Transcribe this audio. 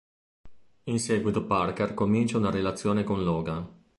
In seguito Parker comincia una relazione con Logan.